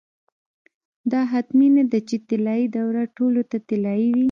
دا حتمي نه ده چې طلايي دوره ټولو ته طلايي وي.